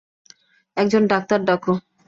একজন ডাক্তার ডাকো!